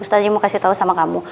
ustadznya mau kasih tau sama kamu